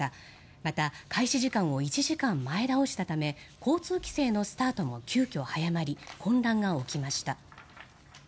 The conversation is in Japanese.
また、開始時間を１時間前倒したため交通規制のスタートも急きょ早まり混乱が起きました。